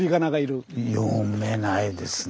眺めいいですね。